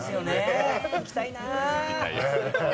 行きたいな。